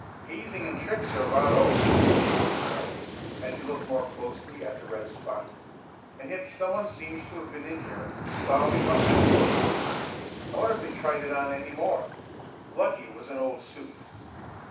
"Hazing and tricks are about over," came from Joe, as he looked more closely at the red spot. "And yet someone seems to have been in here, daubing up my clothes. I wonder if they tried it on any more? Lucky it was an old suit."